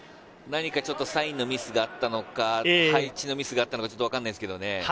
何かちょっと、サインのミスがあったのか、配置ミスがあったのか分からないですけどね。